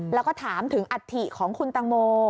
และถามถึงอัดถิของคุณตังโม